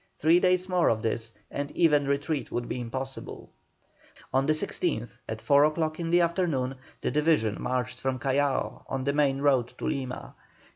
Three days more of this, and even retreat would be impossible. On the 16th, at four o'clock in the afternoon, the division marched from Callao on the main road to Lima.